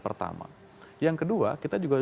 pertama yang kedua kita juga